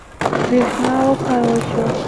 برېښنا وکارول شوه.